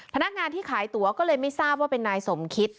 พนักงานที่ขายตั๋วก็เลยไม่ทราบว่าเป็นนายสมคิด